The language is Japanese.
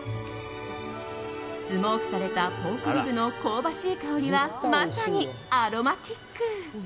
スモークされたポークリブの香ばしい香りはまさに、アロマティック！